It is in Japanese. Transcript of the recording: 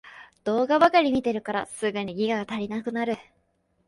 動画ばかり見てるからすぐにギガが足りなくなる